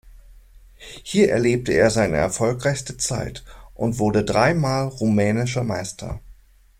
Hier erlebte er seine erfolgreichste Zeit und wurde drei Mal rumänischer Meister.